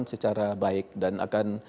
secara baik dan akan